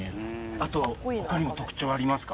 あと他にも特徴ありますか？